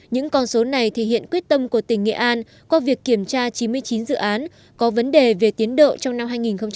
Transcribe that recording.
những con số này thể hiện quyết tâm của tỉnh nghệ an qua việc kiểm tra chín mươi chín dự án có vấn đề về tiến độ trong năm hai nghìn hai mươi